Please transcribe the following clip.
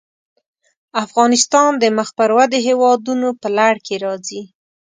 افغانستان د مخ پر ودې هېوادونو په لړ کې راځي.